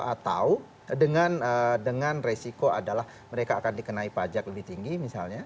atau dengan resiko adalah mereka akan dikenai pajak lebih tinggi misalnya